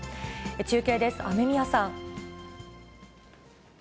中継です、雨宮さん。